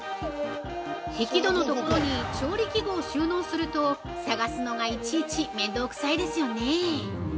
◆引き戸の所に調理器具を収納すると、探すのがいちいち面倒くさいですよね？